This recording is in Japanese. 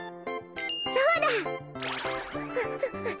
そうだ！